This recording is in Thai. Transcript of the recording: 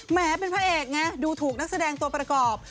แม้เป็นพระเอกไงดูถูกนักแสดงตัวประกอบ